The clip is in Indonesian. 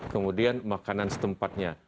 kemudian makanan setempatnya